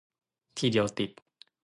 ทีเดียวติด